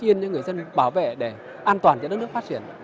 chỉ có bình yên cho người dân bảo vệ để an toàn cho đất nước phát triển